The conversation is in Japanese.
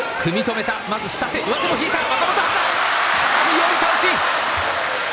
寄り倒し。